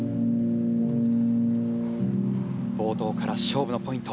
冒頭から勝負のポイント